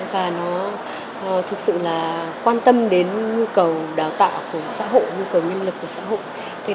và nó thực sự là quan tâm đến nhu cầu đào tạo của xã hội nhu cầu nhân lực của xã hội